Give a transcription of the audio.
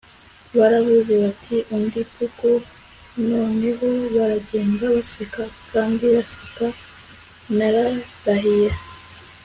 baravuze bati undi puku! noneho baragenda, baseka kandi baseka. nararahiye